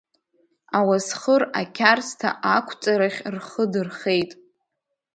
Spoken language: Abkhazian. Ауасхыр ақьарсҭа ақәҵарахь рхы дырхеит.